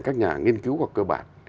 các nhà nghiên cứu khoa học cơ bản